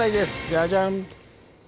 ジャジャン。